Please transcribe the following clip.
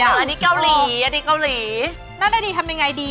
อันนี้เกาหลีน่าได้ดีทำยังไงดี